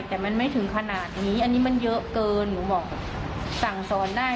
แต่มันไม่ถึงขนาดนี้อันนี้มันเยอะเกินหนูบอกสั่งสอนได้